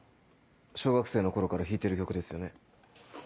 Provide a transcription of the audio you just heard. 小学生の頃から弾いてる曲ですよね。